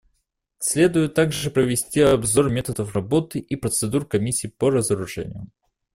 Следует также провести обзор методов работы и процедур Комиссии по разоружению.